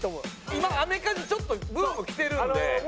今アメカジちょっとブームきてるんで。